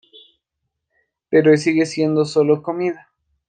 Pero sigue siendo sólo comida".